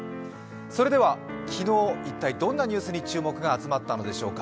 それでは昨日、一体どんなニュースに注目が集まったのでしょうか。